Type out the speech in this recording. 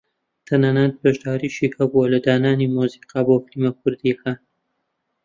تەنانەت بەشداریشی هەبووە لە دانانی مۆسیقا بۆ فیلمە کوردییەکان